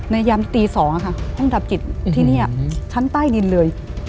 ยำตี๒ห้องดับจิตที่นี่ชั้นใต้ดินเลย